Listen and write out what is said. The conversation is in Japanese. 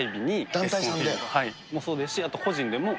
団体さんで？もそうですし、個人でも。